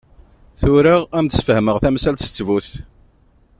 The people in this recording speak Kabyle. Tura ad am-d-ssfehmeɣ tamsalt s ttbut.